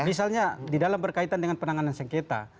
misalnya di dalam berkaitan dengan penanganan sengketa